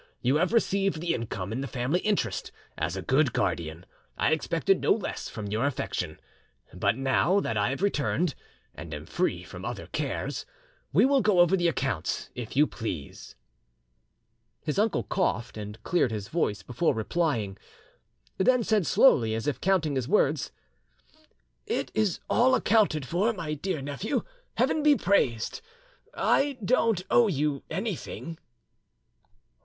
You have received the income in the family interest: as a good guardian, I expected no less from your affection. But now that I have returned, and am free from other cares, we will go over the accounts, if you please." His uncle coughed and cleared his voice before replying, then said slowly, as if counting his words— "It is all accounted for, my dear nephew; Heaven be praised! I don't owe you anything."